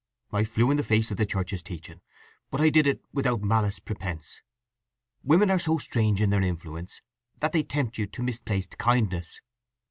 "I flew in the face of the Church's teaching; but I did it without malice prepense. Women are so strange in their influence that they tempt you to misplaced kindness.